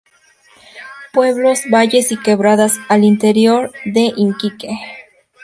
Pueblos, valles y quebradas al interior de Iquique.